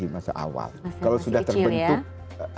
di masa awal kalau sudah terbentuk